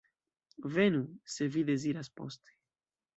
Venu, se vi deziras, poste.